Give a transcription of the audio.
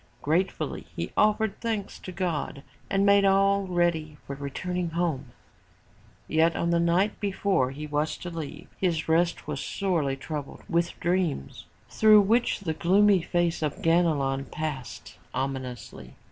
Gratefully he offered thanks to God and made all ready for returning home. Yet on the night before he was to leave, his rest was sorely troubled with dreams, through which the gloomy face of Ganelon passed omi 301 MY BOOK HOUSE nously.